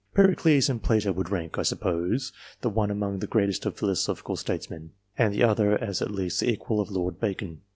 Pericles and Plato would rank, I suppose, the one among the greatest of philosophical statesmen, and the other as at least the equal of Lord Bacon.